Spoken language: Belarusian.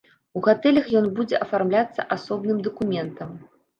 У гатэлях ён будзе афармляцца асобным дакументам.